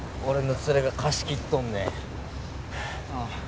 俺のツレが貸し切っとんねんあ